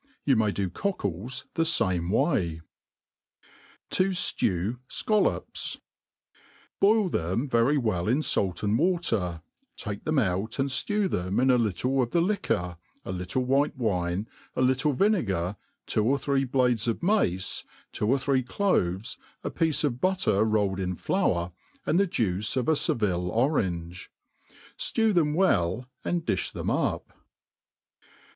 You may do cockles the fame way. To Jlew Scollops, BOIL them very well in fait and water, take them out and fiew them in a little of the liquor, a little white wine, a little vinegar, two or three blades of mace, two or three cloves, a piece of butter rolled in flour, and the juice of a Seville orange. Stew them well, and dlQi them up.